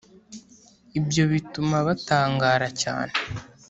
Ibyo bituma batangara cyane